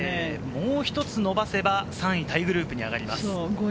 もう１つ伸ばせば、３位タイグループに上がります。